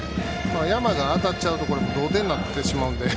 ヤマが当たっちゃうと同点になってしまうのでね